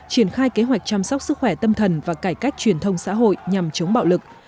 triển khai kế hoạch chăm sóc sức khỏe tâm thần và cải cách truyền thông xã hội nhằm chống bạo lực